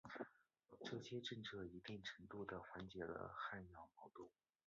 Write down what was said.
这些政策一定程度的缓解了汉瑶矛盾。